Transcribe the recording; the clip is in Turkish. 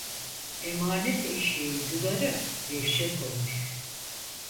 Emanet eşeğin yuları gevşek olur.